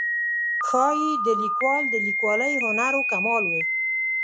ښایي د لیکوال د لیکوالۍ هنر و کمال و.